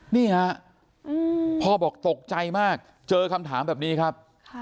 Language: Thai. นี่ฮะพ่อบอกตกใจมากเจอคำถามแบบนี้ครับ